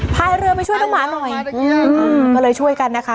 พายเรือไปช่วยน้องหมาหน่อยก็เลยช่วยกันนะคะ